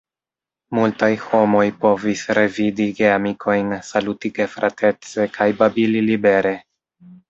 Multaj homoj povis revidi geamikojn, saluti gefratece, kaj babili libere.